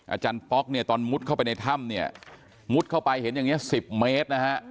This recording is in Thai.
อาจารย์ป๊อกเนี่ยตอนมุดเข้าไปในถ้ำเนี่ยมุดเข้าไปเห็นอย่างนี้๑๐เมตรนะฮะ